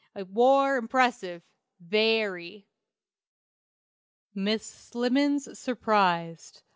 It war impressive VERY." MISS SLIMMENS SURPRISED.